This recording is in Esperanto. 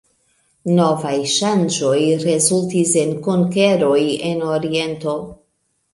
Novaj ŝanĝoj rezultis en konkeroj en oriento.